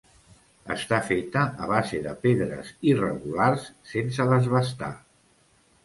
Està feta a base de pedres irregulars sense desbastar.